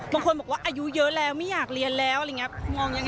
บางคนบอกว่าอายุเยอะแล้วไม่อยากเรียนแล้วมองยังไง